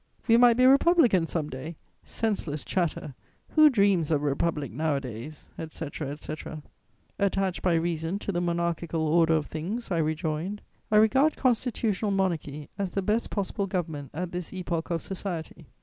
we might be Republicans some day? Senseless chatter! Who dreams of a republic nowadays?" etc. etc.: "Attached by reason to the monarchical order of things," I rejoined, "I regard constitutional monarchy as the best possible government at this epoch of society.